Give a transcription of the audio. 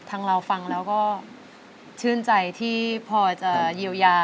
เราฟังแล้วก็ชื่นใจที่พอจะเยียวยา